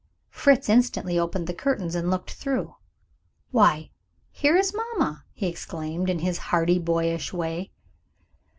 Fritz instantly opened the curtains, and looked through. "Why, here is mamma!" he exclaimed, in his hearty boyish way.